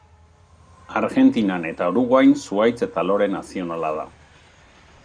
Argentinan eta Uruguain zuhaitz eta lore nazionala da.